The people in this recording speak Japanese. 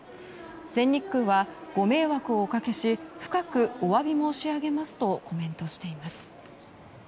全日空はご迷惑をおかけし深くお詫び申し上げますとコメントしています。